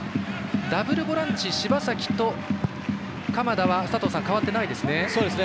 ダブルボランチ柴崎と鎌田は変わってないですね。